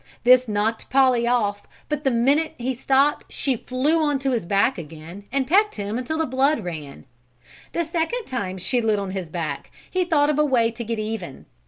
This knocked Polly off but the minute he stopped she flew onto his back again and pecked him until the blood ran. The second time she lit on his back he thought of a way to get even.